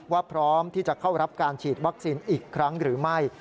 พร้อมที่จะเข้ารับการฉีดวัคซีนอีกครั้งหรือไม่